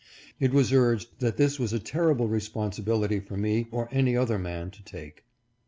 It was urged that this was a terrible responsibility for me or any other man to take.